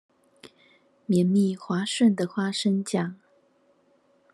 綿密滑順的花生醬